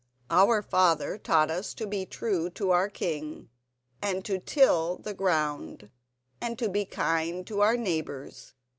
Our father taught us to be true to our king, and to till the ground, and to be kind to our neighbours.